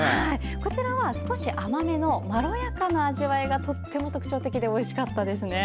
こちらは少し甘めのまろやかな味わいがとっても特徴的でおいしかったですね。